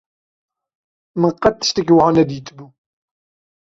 Min qet tiştekî wiha nedîtibû.